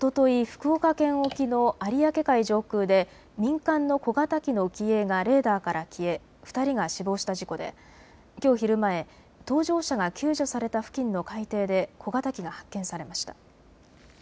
福岡県沖の有明海上空で民間の小型機の機影がレーダーから消え２人が死亡した事故できょう昼前、搭乗者が救助された付近の海底で小型機が発見されました。